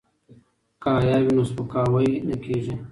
که حیا وي نو سپکاوی نه کیږي.